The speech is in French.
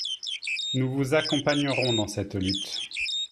Nous vous accompagnerons dans cette lutte.